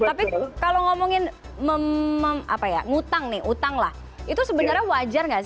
tapi kalau ngomongin ngutang nih utang lah itu sebenarnya wajar nggak sih